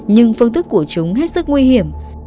nhưng phương thức của chúng hết sức nguy hiểm